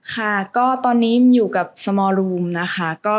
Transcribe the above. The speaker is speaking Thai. ค่ะก็ตอนนี้อยู่กับสมอร์รูมนะคะ